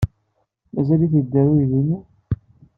Mazal-it yedder uydi-nni.